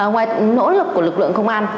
ngoài nỗ lực của lực lượng công an